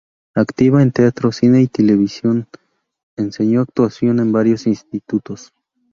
Activa en teatro, cine y televisión, enseñó actuación en varios institutos.